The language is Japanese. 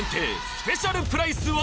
スペシャルプライスは？